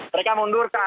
mereka mundur ke arah